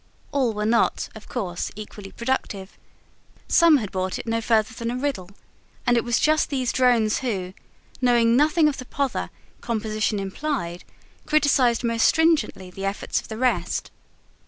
All were not, of course, equally productive: some had brought it no further than a riddle: and it was just these drones who, knowing nothing of the pother composition implied, criticised most stringently the efforts of the rest.